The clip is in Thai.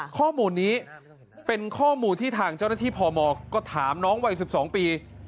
ข้อมูลนี้เป็นข้อมูลที่ทางเจ้าหน้าที่พมก็ถามน้องวัย๑๒ปี